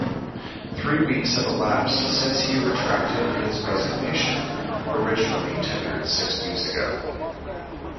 Three weeks have elapsed since he retracted is resignation, originally tendered six weeks ago.